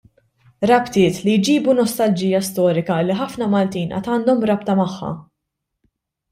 Rabtiet li jġibu nostalġija storika li ħafna Maltin għad għandhon rabta magħha.